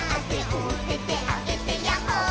「おててあげてヤッホー」